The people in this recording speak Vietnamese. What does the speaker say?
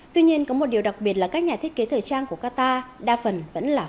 tuy nhiên có một điều đặc biệt là các nhà thiết kế thời trang của qatar đa phần vẫn là